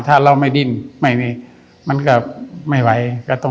ถ้าเราไม่ดิ้นไม่มีมันก็ไม่ไหวก็ต้อง